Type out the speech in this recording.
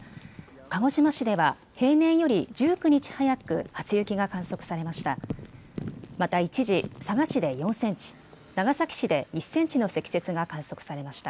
鹿児島市では平年より１９日早く初雪が観測されました。